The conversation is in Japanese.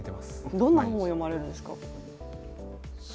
どんな本を読まれるんですか？